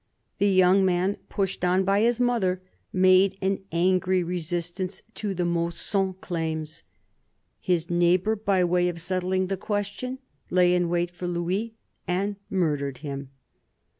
The young man, pushed on by his mother, made an angry resistance to the Mausson claims. His neighbour, by way of settling the question, lay in wait for Louis and murdered him.